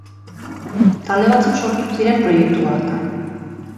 Talde batzuk sortu ziren proiektu hartan.